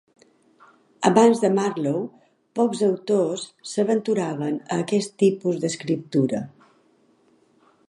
Abans de Marlowe, pocs autors s'aventuraven a aquest tipus d'escriptura.